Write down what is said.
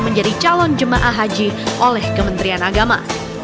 menjadi calon jemaah haji oleh kementerian agama